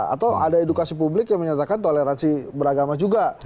atau ada edukasi publik yang menyatakan toleransi beragama juga